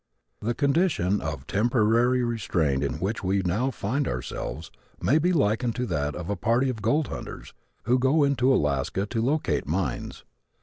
The condition of temporary restraint in which we now find ourselves may be likened to that of a party of gold hunters who go into Alaska to locate mines.